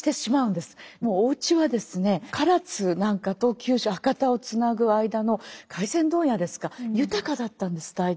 でもおうちはですね唐津なんかと九州・博多をつなぐ間の廻船問屋ですか豊かだったんです代々。